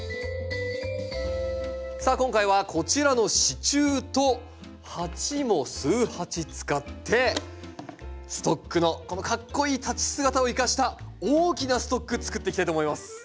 さあ今回はこちらの支柱と鉢も数鉢使ってストックのこのかっこいい立ち姿を生かした大きなストックつくっていきたいと思います。